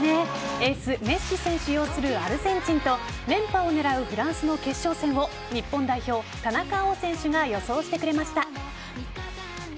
エース・メッシ選手擁するアルゼンチンと連覇を狙うフランスの決勝戦を日本代表・田中碧選手が予想してくれました。